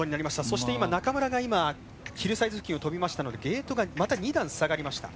そして今、中村がヒルサイズ付近を飛びましたのでゲートが、また２段下がりました。